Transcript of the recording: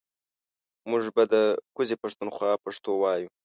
مونږ به ده ده کوزې پښتونخوا پښتو وايو